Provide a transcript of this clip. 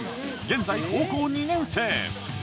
現在高校２年生。